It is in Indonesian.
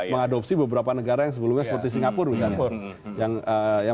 mengadopsi beberapa negara yang sebelumnya seperti singapura misalnya